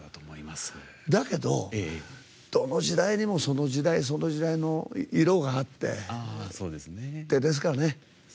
だけど、どの時代にもその時代その時代の色があってですかね。